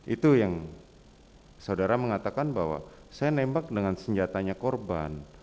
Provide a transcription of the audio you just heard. itu yang saudara mengatakan bahwa saya nembak dengan senjatanya korban